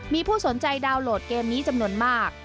มีผู้สนใจดาวน์โหลดเกมนี้จำนวนมาก